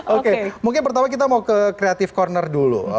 oke mungkin pertama kita mau ke creative corner dulu